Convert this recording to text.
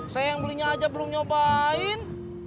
saya yang belinya aja belum nyobain